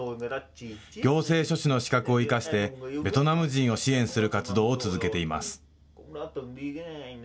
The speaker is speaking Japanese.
行政書士の資格を生かしてベトナム人を支援する活動を続けています。